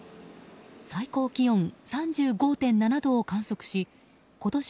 最高気温３５．７度を観測し今年